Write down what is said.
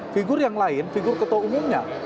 figur yang lain figur ketua umumnya